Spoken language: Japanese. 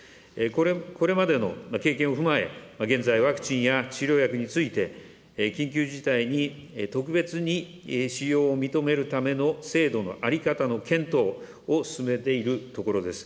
これまでの経験を踏まえ、現在、ワクチンや治療薬について、緊急事態に特別に使用を認めるための制度の在り方の検討を進めているところです。